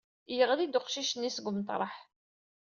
Yeɣli-d uqcic-nni seg umeṭreḥ.